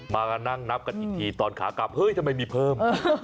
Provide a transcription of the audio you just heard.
มานั่งนับกันอีกทีตอนขากลับเฮ้ยทำไมมีเพิ่ม